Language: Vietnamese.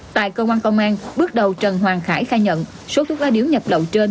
tại công an công an bước đầu trần hoàng khải khai nhận số thuốc lá điếu nhập lậu trên